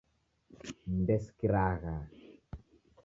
Ndesikiragha